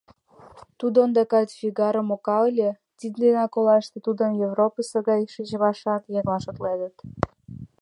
Тудо ондакат «Фигаром» ока ыле, тидденак олаште тудым Европысо гай шинчымашан еҥлан шотленыт.